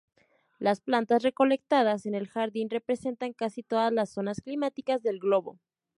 Las plantas recolectadas en el jardín representan casi todas las zonas climáticas del globo.